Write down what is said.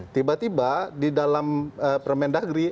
tiba tiba di dalam permendagri